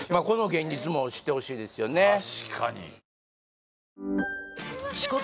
この現実も知ってほしいですよね